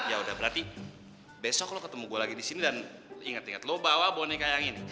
yaudah berarti besok lo ketemu gua lagi disini dan inget inget lo bawa boneka yang ini